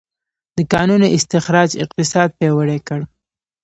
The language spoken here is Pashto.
د کانونو استخراج اقتصاد پیاوړی کړ.